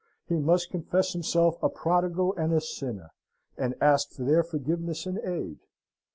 He must confess himself a Prodigal and a Sinner, and ask for their forgiveness and aid.